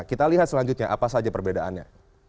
kita lihat selanjutnya apa saja perbedaannya